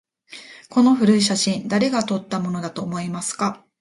この古い写真、誰が撮ったものだと思いますか？